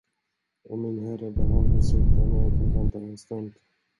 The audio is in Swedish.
Om min herre behagar sitta ned och vänta en stund.